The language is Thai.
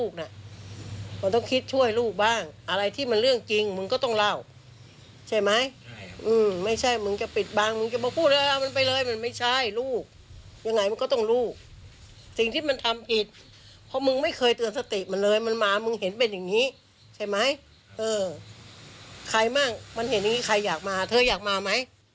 ใครมั่งมันเห็นอย่างนี้ใครอยากมาเธออยากมาไหม